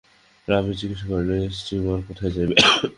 রমেশ জিজ্ঞাসা করিল, এ স্টীমার কোথায় যাইবে?